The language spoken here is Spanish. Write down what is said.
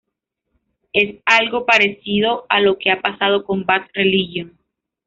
Es algo parecido a lo que ha pasado con Bad Religion.